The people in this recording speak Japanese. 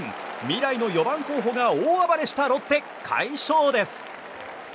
未来の４番候補が大暴れしたロッテ快勝です！